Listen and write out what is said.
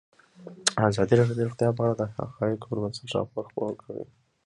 ازادي راډیو د روغتیا په اړه د حقایقو پر بنسټ راپور خپور کړی.